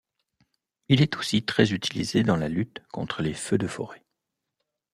Il est aussi très utilisé dans la lutte contre les feux de forêt.